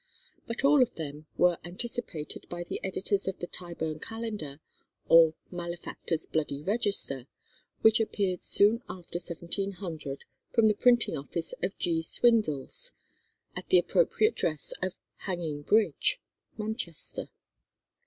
But all of them were anticipated by the editors of the "Tyburn Calendar," or "Malefactor's Bloody Register," which appeared soon after 1700 from the printing office of G. Swindells, at the appropriate address of Hanging Bridge, Manchester.